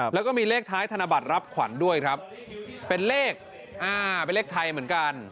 แล้วก็มีเลขท้ายธนบัตรรับขวัญด้วยครับเป็นเลขเป็นเลขไทยเหมือนกัน